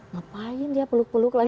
ngapain dia peluk peluk lagi